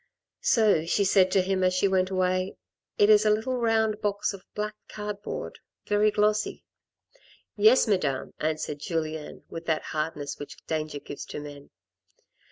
" So " she said to him as she went away, " it is a little round box of black cardboard, very glossy." " Yes, Madame," answered Julien, with that hardness which danger gives to men.